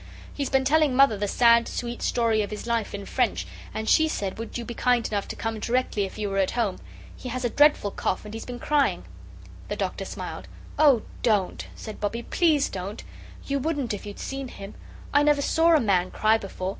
He's been telling Mother the sad, sweet story of his life in French; and she said would you be kind enough to come directly if you were at home. He has a dreadful cough, and he's been crying." The Doctor smiled. "Oh, don't," said Bobbie; "please don't. You wouldn't if you'd seen him. I never saw a man cry before.